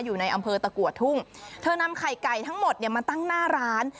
อยู่ในอำเภอตะกัวทุ่งเธอนำไข่ไก่ทั้งหมดเนี่ยมาตั้งหน้าร้าน